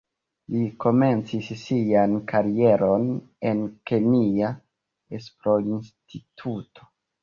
Li komencis sian karieron en kemia esplorinstituto.